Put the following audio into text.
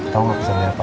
tau ngebisiknya apa